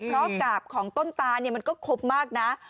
เพราะกาบของต้นตาเนี่ยมันก็ครบมากนะ